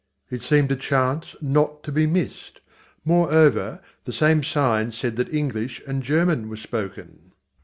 It seemed a chance not to be missed. Moreover, the same sign said that English and German were spoken.